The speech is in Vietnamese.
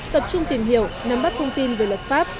tập trung tìm hiểu nắm bắt thông tin về luật pháp